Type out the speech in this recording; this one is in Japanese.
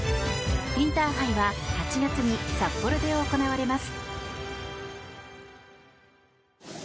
インターハイは８月に札幌で行われます。